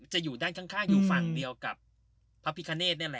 อยู่ด้านข้างอยู่ฝั่งเดียวกับพระพิคเนธนี่แหละ